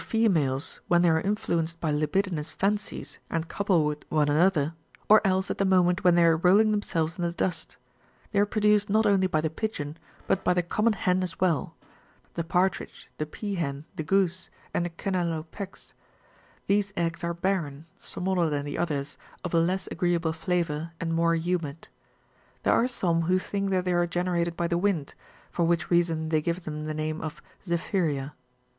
The barren eggs, which we have mentioned as " hypenemia," are either conceived by the females when they are influenced by libidinous fancies, and couple with one another, or else at the moment when they are rolling themselves in the dust ; they are produced not only by the pigeon, but by the common hen as well, the partridge, the pea hen, the goose, and the chenalopex ; these eggs are barren, smaller than the others, of a less agreeable flavour, and more humid. There are some who think that they are generated by the wind, for which reason they give them the name of '' zephyria."